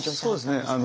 そうですね